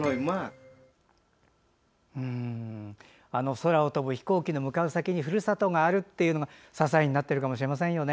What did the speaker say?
空を飛ぶ飛行機の向かう先にふるさとがあるっていうことが支えになっているかもしれませんよね。